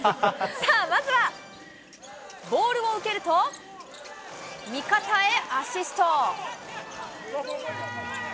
さあ、まずはボールを受けると、味方へアシスト。